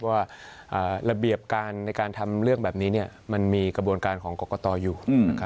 ว่าระเบียบการในการทำเรื่องแบบนี้มันมีกระบวนการของกรกตอยู่